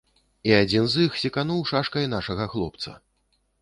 І адзін з іх секануў шашкай нашага хлопца.